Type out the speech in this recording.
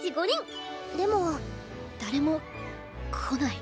でも誰もこない。